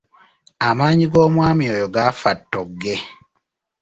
Amaanyi g’omwami oyo gaafa ttogge.